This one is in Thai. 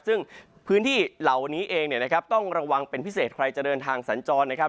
ซึ่งพื้นที่เหล่านี้เองเนี่ยนะครับต้องระวังเป็นพิเศษใครจะเดินทางสัญจรนะครับ